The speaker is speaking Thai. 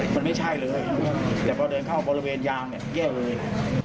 มันไม่ใช่เลยแต่พอเดินเข้าบริเวณยางเนี่ยแย่เลย